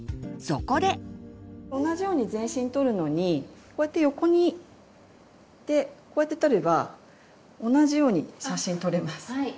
同じように全身撮るのにこうやって横にこうやって撮れば同じように写真撮れます。